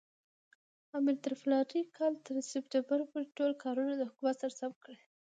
امیر تر فلاني کال تر سپټمبر پورې ټول کارونه د حکومت سره سم کړي.